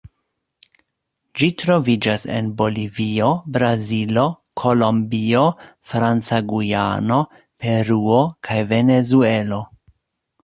Ĝi troviĝas en Bolivio, Brazilo, Kolombio, Franca Gujano, Peruo kaj Venezuelo.